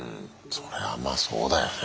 それはまあそうだよね。